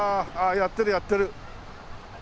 やってるやってる。